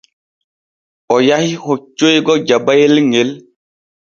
O yahi hoccoygo Jabayel ŋel.